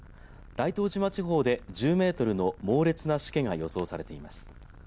大東島地方で１０メートルの猛烈なしけが予想されています。